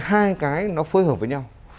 hai cái nó phối hợp với nhau